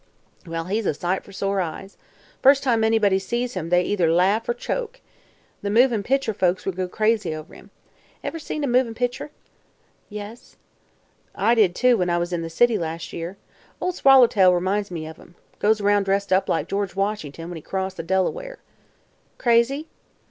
"Wal, he's a sight fer sore eyes. First time anybody sees him they either laughs er chokes. The movin' pictur' folks would go crazy over him. Ever seen a movin' pictur'?" "Yes." "I did, too, when I was in the city las' year. Ol' Swallertail 'minds me of 'em. Goes 'round dressed up like George Washington when he crossed the Delaware." "Crazy?"